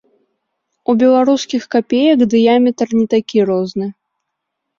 У беларускіх капеек дыяметр не такі розны.